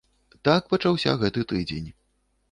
Так пачаўся гэты тыдзень.